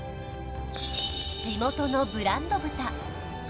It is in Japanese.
地元のブランド豚麓